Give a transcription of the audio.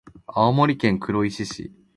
青森県黒石市